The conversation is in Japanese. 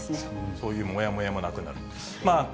そういうもやもやもなくなると。